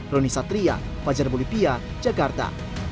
roni satria fajar bolivia jakarta